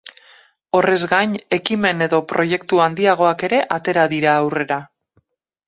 Horrez gain, ekimen edo proiektu handiagoak ere atera dira aurrera.